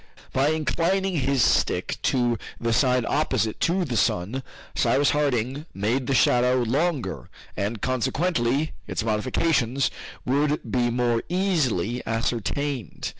By inclining his stick to the side opposite to the sun, Cyrus Harding made the shadow longer, and consequently its modifications would be more easily ascertained.